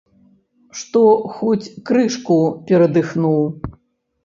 Што хоць крышку перадыхнуў.